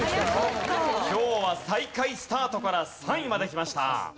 今日は最下位スタートから３位まできました。